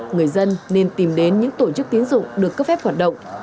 người dân nên tìm đến những tổ chức tiến dụng được cấp phép hoạt động